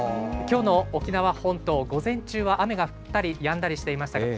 きょうの沖縄本島、午前中は雨が降ったりやんだりしていました。